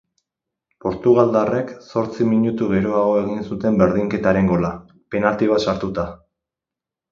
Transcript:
Portugaldarrek zortzi minutu geroago egin zuten berdinketaren gola, penalti bat sartuta.